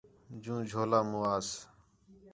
جُوں جھولا مُو آس